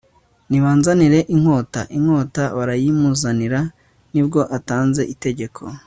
nibanzanire inkota. inkota barayimuzanira. ni bwo atanze itegeko